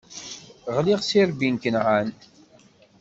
Ɣli s irebbi n Kenɛan.